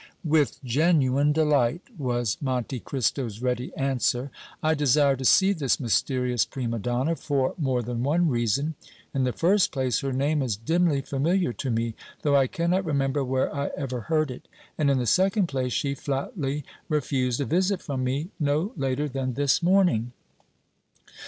"With genuine delight," was Monte Cristo's ready answer. "I desire to see this mysterious prima donna for more than one reason. In the first place, her name is dimly familiar to me, though I cannot remember where I ever heard it, and, in the second place, she flatly refused a visit from me no later than this morning."